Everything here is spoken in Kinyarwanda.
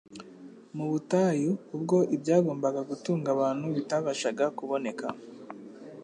Mu butayu ubwo ibyagombaga gutunga abantu bitabashaga kuboneka,